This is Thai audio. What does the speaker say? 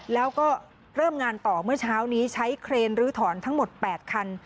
แล้วก็เริ่มงานต่อเมื่อเช้านี้ใช้เครนรื้อถอนทั้งหมด๘คัน